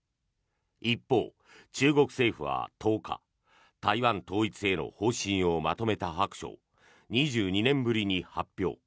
一方、中国政府は１０日台湾統一への方針をまとめた白書を２２年ぶりに発表。